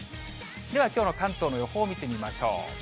ではきょうの関東の予報を見てみましょう。